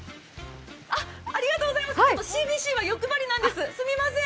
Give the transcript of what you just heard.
ＣＢＣは欲張りなんです、すみません。